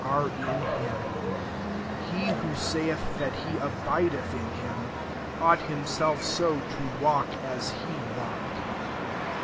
383 5 He who saith that he abideth in him, ought himself so to walk as he walked.